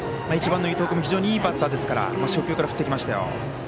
１番の伊藤君も非常にいいバッターですから初球から振っていきましたよ。